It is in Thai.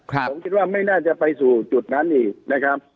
ผมคิดว่าไม่น่าจะไปสู่จุดนั้นอีกนะครับ